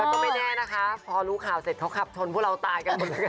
แล้วไม่แน่นะคะพอรู้ข่าวเสร็จเขาขับชนผู้เรามันตาย